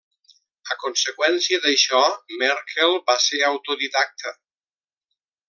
A conseqüència d'això, Merkel va ser autodidacta.